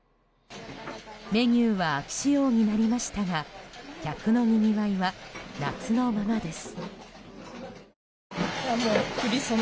メニューは秋仕様になりましたが客のにぎわいは夏のままです。